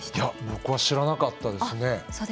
僕は知らなかったですね。